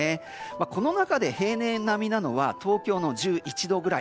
この中で平年並みなのは東京の１１度くらい。